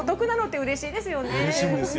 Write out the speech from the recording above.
うれしいですよ、あれ。